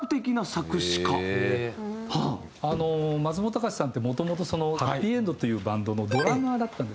松本隆さんって元々はっぴいえんどというバンドのドラマーだったんですね。